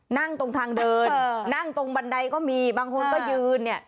นั่งตรงทางเดินนั่งตรงบันไดก็มีบางคนก็ยืนเนี่ย